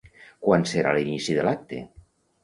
Quan serà l'inici de l'acte?